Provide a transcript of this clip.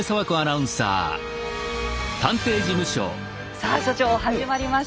さあ所長始まりました。